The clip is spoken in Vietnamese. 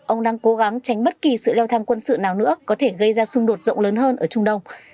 ông đang cố gắng tránh bất kỳ sự leo thang quân sự nào nữa có thể gây ra xung đột rộng lớn hơn ở trung đông